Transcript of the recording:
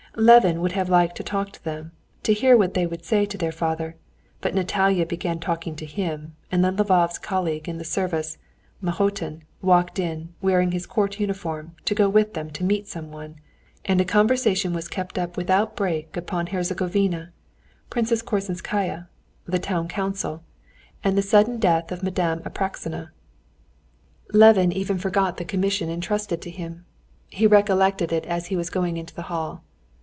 Levin would have liked to talk to them, to hear what they would say to their father, but Natalia began talking to him, and then Lvov's colleague in the service, Mahotin, walked in, wearing his court uniform, to go with him to meet someone, and a conversation was kept up without a break upon Herzegovina, Princess Korzinskaya, the town council, and the sudden death of Madame Apraksina. Levin even forgot the commission intrusted to him. He recollected it as he was going into the hall.